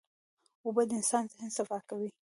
اوبه د انسان ذهن صفا کوي.